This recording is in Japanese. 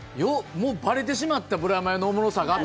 ばれてしまった、ブラマヨのおもろさがと。